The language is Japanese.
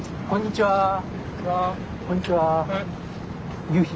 こんにちは。